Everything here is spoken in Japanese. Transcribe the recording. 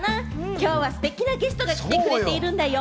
きょうはステキなゲストが来てくれているんだよ。